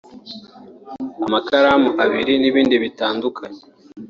amakaramu abiri n’ibindi bitandukanye